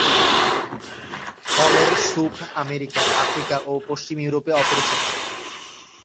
ফলের soup America, Africa ও পশ্চিম ইউরোপে অপরিচিত।